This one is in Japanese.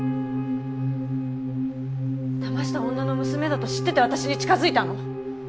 騙した女の娘だと知ってて私に近づいたの？